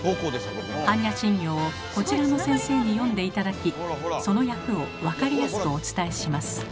般若心経をこちらの先生に読んで頂きその訳を分かりやすくお伝えします。